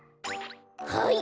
はい！